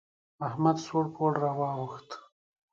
احمد سوړ پوړ را واوښت.